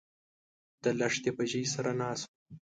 د لښتي په ژۍ سره ناست و